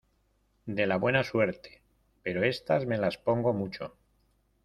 de la buena suerte, pero estas me las pongo mucho